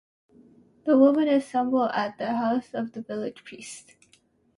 The women assemble at the house of the village priest.